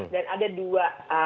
dan ada dua